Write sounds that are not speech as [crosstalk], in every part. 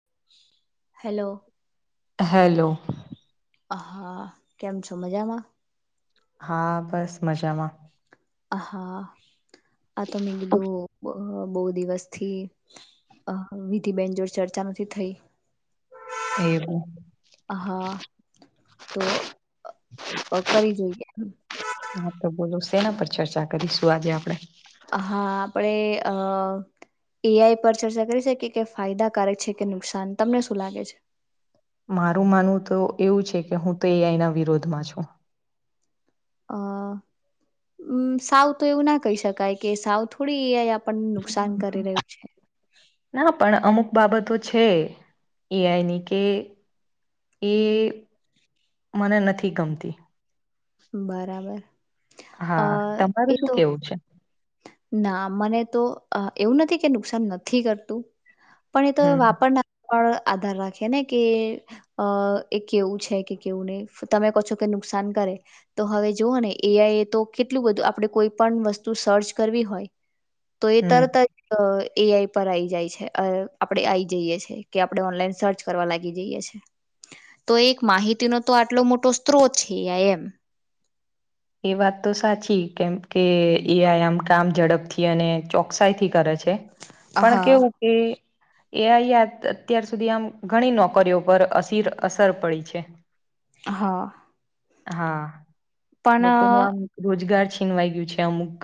[inaudible] Hello. હ હા કેમ છો મજામાં? હા બસ મજામાં. હ હા આ તો મેં કીધું બહુ દિવસથી વિધિબેન જોડ ચર્ચા નથી થઈ. એવું [unintelligible] હ તો કરી જોઈએ. તેના પર ચર્ચા કરીશું આજે આપણે? હા આપણે અ એ આઈ પર ચર્ચા કરી શકી કે ફાયદાકારક છે કે નુકસાન તમને શું લાગે છે!? મારું માનવું તો એવું છે કે હું તો એ આઈના વિરોધમાં છું. અ સાવ તો એવું ના કહી શકાય કે સાવ થોડી એ‌ આઈ ના પણ અમુક બાબતો છે એઆઈ ની કે એ મને નથી ગમતી. બરાબર અ હા એ તમારું શું તો કેવું છે ના મને તો એવું નથી કે નુકસાન નથી કરતું. પણ એ તો હમ વાપરના પણ આધાર રાખીએ ને કે એ કેવું છે કે, કેવું નહીં. તમે કહો છો કે નુક નુકસાન કરે તો હવે જુઓ ને એ આઈ તો કેટલું બધું આપણે કોઈ પણ વસ્તુ સર્ચ કરવી હોય તો એ હમ તરત જ એ આઈ પર આઈ જાય છે આપડે આઈ જઈએ છે કે આપણે ઓનલાઈન સર્ચ કરવા લાગી જઈએ છે. તો એક માહિતીનો તો આટલો મોટો સ્ત્રોત છે એ આઈ એમ. એ વાત તો સાચી કેમ કે એ આઈ આમ કામ ઝડપથી અને ચોકસાઈ થી કરે છે. છે પણ કેવું હા કે એ આઈ અત્યાર સુધી આમ ઘણી નોકરીઓ પર અર અસર પડી છે. હાં. હા લોકો નું આમ રોજગાર છે છીનવાઈ ગયું છે અમુક.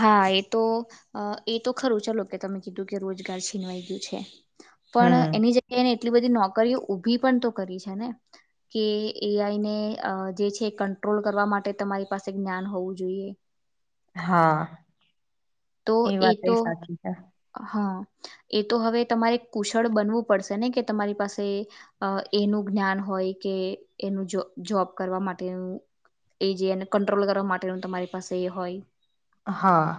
હા એ તો એ તો ખરું ચલો કે તમે કીધું કે રોજગાર છીનવાઈ ગયું છે. પણ હમ એની જગ્યા ને એટલી બધી નોકરીઓ ઊભી પણ તો કરી છે ને કે એ આઈને જે છે કટ્રોલ કરવા માટે તમારી પાસે જ્ઞાન હોવું જોઈએ. હા તો એ વાત એ તો સાચી છે. હા એ તો હવે તમારે કુશળ બનવું પડશે ને કે તમારી પાસે એનું જ્ઞાન હોય કે એનું જોબ કરવા માટેનું એ જે એને કંટ્રોલ કરવા માટેનું તમારી પાસે એ હોય. હાં.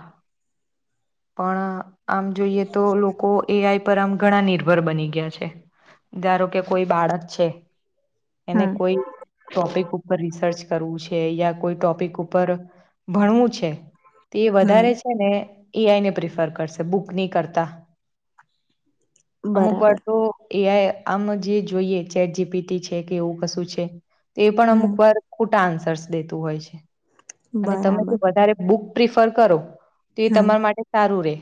પણ આમ જોઈએ તો લોકો એ આઈ પર આમ ઘણા નિર્ભર બની ગયા છે. ધારો કે કોઈ બાળક છે. એને હમ કોઈ ટોપિક ઉપર રિસર્ચ કરવું છે. યા કોઈ ટોપિક ઉપર ભણવું છે. તો એ હમ વધારે છે ને એ આઈ ને પ્રિફર કરશે બુકની કરતા અમુક વાર બરાબર તો એ આ આમ જે જોઈએ ચેટ જીપીટી છે કે એવું કશું છે. એ પણ હમ અમુક વાર ખોટા આન્સર્સ દેતું હોય છે. અને તમે જે બરાબર વધારે બુક પ્રિફર કરો. તો એ હમ તમારા માટે સારું રે.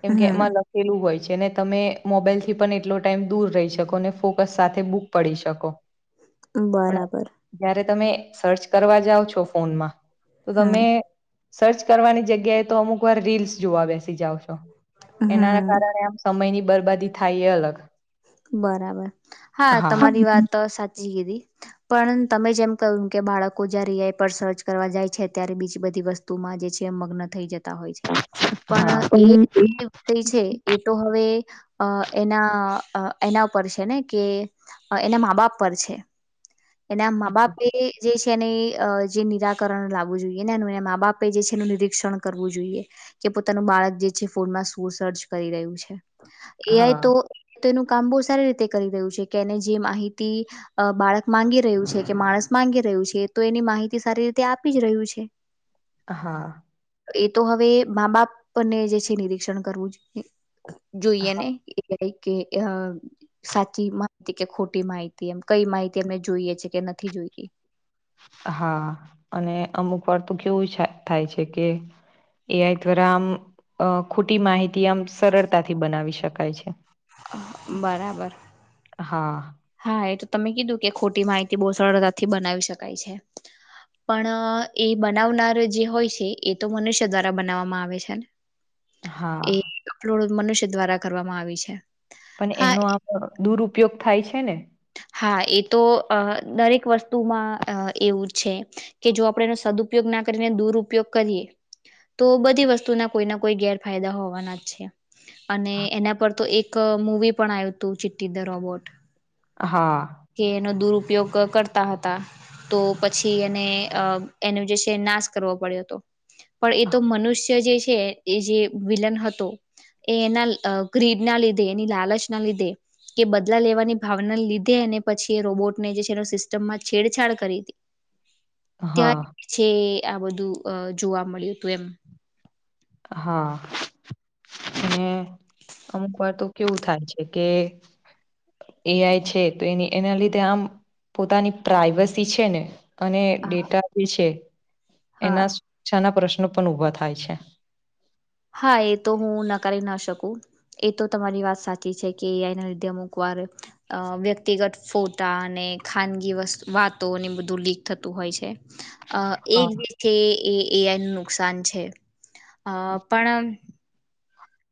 કેમ કે હમ એમાં લખેલું હોય છે. જેને તમે મોબાઈલ થી પણ એટલો ટાઈમ દૂર રહી શકો અને ફોકસ સાથે બુક પઢી શકો. પણ બરાબર. જયારે તમે સર્ચ કરવા જાઓ છો ફોનમાં તો હમ તમે સર્ચ કરવાની જગ્યાએ તો અમુક વાર રીલ્સ જોવા આવે. જાવશો એનાના હમ કારણે આમ સમય ની બરબાદી થાય એ અલગ. બરાબર હા તમારી વાત સાચી. જી દીદી પણ તમે જેમ કહ્યું કે બાળકો જયારે એઆઈ પર સર્ચ કરવા જાય છે ત્યારે બીજી બધી વસ્તુ માં જે છે મગ્ન થઈ જતા હોય છે. પણ એ વિષય છે એ તો હવે અ એના એના પરર છે ને કે એના મા બાપ પર છે. એના મા બાપે જે એને જે નિરાકરણ લાવવું જોઈએ ને એ એ મા બાપે જે છે એનું નિરીક્ષણ કરવું જોઈએ. પોતાનું બાળક જે છે ફોનમાં સર્ચ કરી રહ્યું છે એઆઈ હા તો કામ બ સારી રીતે કરી રહ્યું છે કેને જે માહિતી બાળક માંગી રહ્યું છે કે માણસ માંગી રહ્યું છે તો એની માહિતી સારી રીતે આપી જ રહ્યું છે. હા. એ તો હવે મા બાપ ને જે છે નિરીક્ષણ કરવું જોઈએ હા ને કે સાચી માહિતી કે ખોટી માહિતી એમ કઈ માહિતી અમને જોઈએ છે કે નથી જોઈતી. હા અને અમુક વાર તો કેવુંઈ થાય છે કે એ આઈ દ્વારા આમ ખોટી માહિતી આમ સરળતાથી બનાવી શકાય છે. બરાબર. હા હા એ તો તમે કીધું કે ખોટી માહિતી બહુ સરળતાથી બનાવી શકાય છે. પણ એ બનાવનાર જે હોય છે એ તો મનુષ્ય દ્વારા બનાવવામાં આવે છે ને. એ હા. અપલોડ મનુષ્ય દ્વારા કરવામાં આવી છે. પણ હા એનો આમ દુરયોગ થાય છે ને. હા એ તો દરેક વસ્તુમાં એવું છે કે જો આપડે એનો સદઉપયોગ કરીને દુરપયોગ કરીએ તો બધી વસ્તુ ના કોઈ ના કોઈ ગેરફાયદા હોવાના જ છે. અને એના પર તો એક મૂવી પણ આવ્યું હતું ચી ધ રોબોટ હા કે એનો દુરુપયોગ કરતા હતા. તો પછી એને એનું જે છે નાશ કરવો પડ્યો હતો. પણ એ તો મનુષ્ય જે છે એ જે વિલન હતો. એ એના ગ્રીડ ના લીધે એની લાલચ ના લીધે કે બદલા લેવાની ભાવના લીધે તે અને પછી એ રોબોટને જે છે એ સિસ્ટમમાં છેડછાડ કરી હતી. હા ત્યારે છે આ બધું જોવા મળ્યું હતું એમ. હા અને અમુક વાર તો કેવું થાય છે કે એઆઈ છે તો એની એના લીધે આમ પોતાની પ્રાઈવસી છે ને અને હા ડેટા જે છે હા એના શક્ષા ના પ્રશ્નો પણ ઊભા થાય છે. હા એ તો હું નકારી ના શકું. એ તો તમારી વાત સાચી છે કે એના લીધે અમુક વાર વ્યક્તિગત ફોટા અને ખાનગી વાતોને બધું લીક થતું હોય છે. અ એક હા. જે છે એ એઆઈ નું નુકસાન છે અ પણ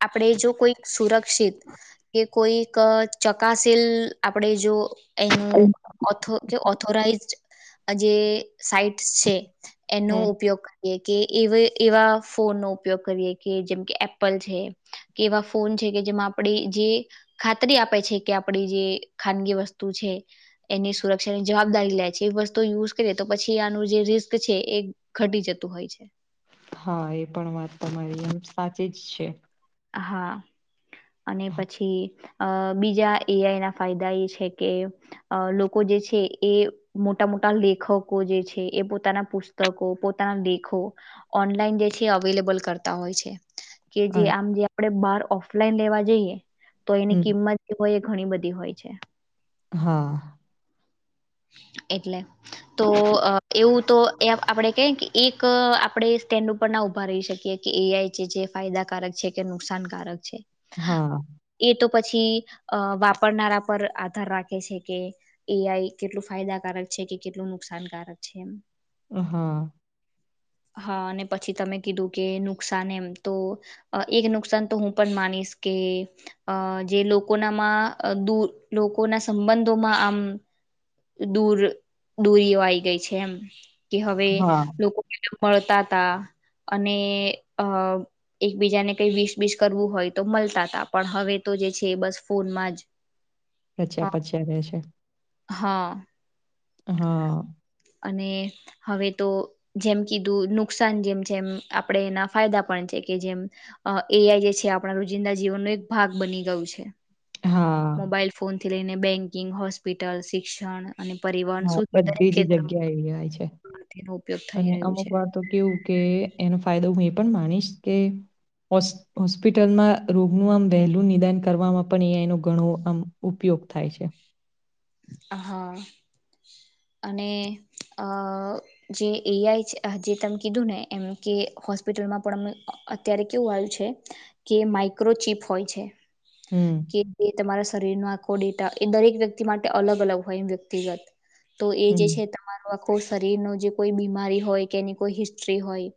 આપણે જો કોઈક સુરક્ષિત કે કોઈક ચકાશીલ આપણેે જો એનુંથ ઓથોરાઈઝ જે સાઈટસ છે એનો હમ ઉપયોગ કર કે એવા ફોન નો ઉપયોગ કરીએ કે જેમ કે એપલ ફો છે કે જેમાં આપ જે ખાતરી આપે છે કે આપ જે ખાનગી વસ્તુ છે એની સુરક્ષાની જવાબદારી લે છે એ વસ્તુ યુઝ કરીએ તો પછી આનું જે રિસ્ક છે. છે એ ઘટી જતું હોય છે. હા એ પણ વાત તમારીમ સાચી જ છે. હા. અને પછી અ બીજા એઆઈ ના ફાયદા એ છે કે લોકો જે છે એ મોટા મોટા લેખકો જે છે એ પોતાના પુસ્તકો પોતાના લેખો ઓનલાઈન જે છે અવેલેબલ કરતા હોય છે કે જે અરે આમ જે આપડે બાર ઓફલાઈન લેવા જઈએ તો એની હમ કિંમત હોય એ ઘણી બધી હોય છે હા એટલે તો એવું તો આપણેે કે કે એક આપણેે સ્ટેન્ડ ઉપર ના ઉભા રહી શકીએ કે એઆઈ છે જે ફાયદાકારક છે કે નુકસાનકારક છે હા એ તો પછી વાપરનારા પર આધાર રાખે છે કે એઆઈ કેટલું ફાયદાકારક છે કે કેટલું નુકસાનકારક છે એમ હા હ હા અને પછી તમે કીધું કે નુકસાન એમ તો એક નુકસાન તો હું પણ માનીશ કે કે અ જે લોકોનામાં દૂર લોકોના સંબંધોમાં આમ દૂર દૂરી એ આઈ ગઈ છે એમ કે હવે હા લોકો મળતા તા અને અ એકબીજાને કઈ વીસ બીસ કરવું હોય તો મળતા હતા પણ હવે તો જે છે બસ ફોનમાં જ અ પછ્યા પછ્યા રહે છે હા હા અને હવે તો જેમ કીધું નુકસાન જેમ છે એમ આપડે એના ફાયદા પણ છે કે જેમ એ આઈ જે છે આપણા રોજિંદા જીવનનો એક ભાગ બની ગયું છે હા મોબાઈલ ફોન થી લઈને બેંકિંગ હોસ્પિટલ શિક્ષણ અને પરિવહન શું એ જગ્યા એય છે ઉપયોગ થઈ અને રહ્યું અમુક છે વાર તો કેવું કે એનો ફાયદો હું એ પણ માનીશ કે હોસ્પિટલમાં રોગનું આમ વહેલું નિદાન કરવામાં પણ અયા એનો ઘણો આમ ઉપયોગ યોખ થાય છે હ અને અ જે એઆઈ છે જે તમે કીધું ને એમ કે હોસ્પિટલમાં પણ અ અત્યારે કેવું આવ્યું છે કે માઈક્રોચીપ હોય છે હમ કે જે તમારા શરીર ન આખોડેટા એ દરેક વ્યક્તિ માટે અલગ અલગ હોય એમ વ્યક્તિગત તો એ જે છે હમ તમારો આખ શરીર ન જે કોઈ બીમારી હોય કે એની કોઈ હિસ્ટ્રી હોય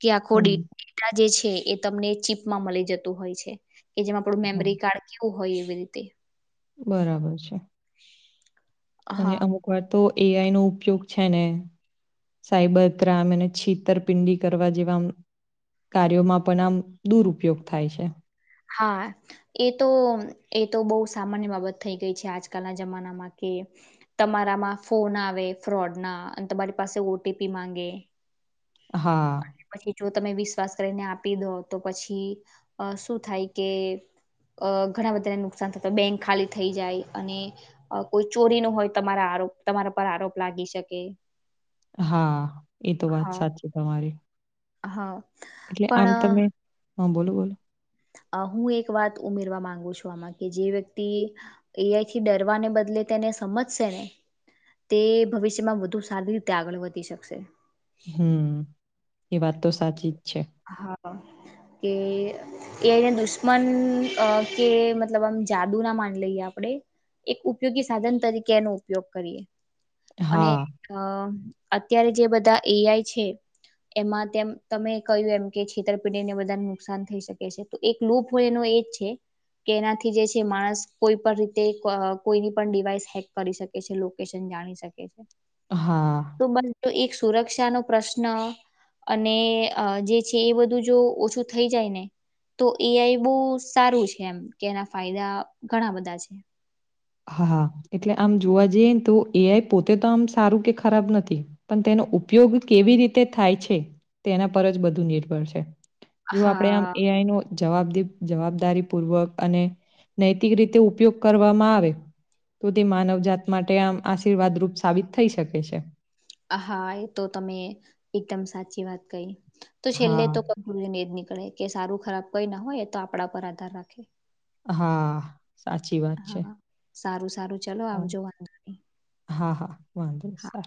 કે આખો હમ ડેટા જે છે એ તમને ચીપમાં મળી જતું હોય છે કે જેમાં આપડું હા મેમરી કાર્ડ કેવું હોય એવી રીતે બરાબર છે [inaudible] અને હા અમુક વાર તો એઆઈ નો ઉપયોગ છે ને સાયબર ત્રામ એને છેતરપિંડી કરવા જેવા કાર્યોમાં પણ આમ દુરપયોગ થાય છે. હા એ તો એ તો બહુ સામાન્ય બાબત થઈ ગઈ છે આજકાલના જમાનામાં. તમારામાં ફોન આવે ફ્રોડ ના અને તમારી પાસે ઓટીપી માંગે હા, પછી જો તમે વીસ શ્વાસ કરીને આપી દો તો પછી શું થાય કે- અ ઘણા બધાને નુકસાન થતા બેંક ખાલી થઈ જાય અને કોઈ ચોરી ન હોય તમારા આપ તમારા પર આરોપ લાગી શકે. હા એ તો વાત હા સાચી તમારી. હા. એટલે આમ તમે પણ હ બોલો બોલો. હું એક વાત ઉમેરવા માંગુ છું આમાં કે જે વ્યક્તિ એઆઈ થી ડરવાને બદ લે તેને સમજશે ને તે ભવિષ્યમાં વધુ સારી રીતે આગળ વધી શકશે. હમ્મ એ વાત તો સાચી જ છે. હા કે એ આઈ ના અ દુશ્મન અ કે મતલબ જાદુ ના માન લઈએ આપડે એક ઉપયોગી સાધન તરીકે એનો ઉપયોગ કરીએ. અને હા, અ અત્યારે જે બધા એઆઈ છે એમાં તેમ તમે કહ્યું એમ કે છેતરપિડીને વધાને નુકસાન થઈ શકે છે. તો એક લુપ હોય એનો એ જ છે. કે એનાથી જે છે માણસ કોઈ પણ રીતે કોઈની પણ ડિવાઈસ હેક કરી શકે છે લોકેશન જાણી શકે છે. હા, તો બન એક સુરક્ષા નો પ્રશ્ન અને અ જે છે એ બધું જો ઓછું થઈ જાય ને તો એઆઈ બહ સારું છે. એમ કે એના ફાયદા ઘણા બધા છે. હા, એટલે આમ જોવા જઈએને તો એઆઈ પોતે તો આમ સારું કે ખરાબ નથી પણ તેનો ઉપયોગ કેવી રીતે થાય છે. તેના પર જ બધું નિર્ભર છે. જો આપડે આમ હા એઆઈ નો જવાબદીપ જવાબદારી પૂર્વક અને નૈતિક રીતે ઉપયોગ કરવામાં આવે તો તે માનવ જાત માટે આમ આશીર્વાદ રૂપ સાબિત થઈ શકે છે. હા એ તો તમે એકદમ સાચી વાત કહી. તો છેલ્લે હા, તો [unintelligible] એ જ નીકળે કે સારું ખરાબ કોઈ ના હોય તો આપણા પર આધાર રાખે. હા સાચી વાત છે. હા સારું સારું ચાલો હા, આવજો વાંધ નહી હા, હા, વાંધો નહી. હા. સારું.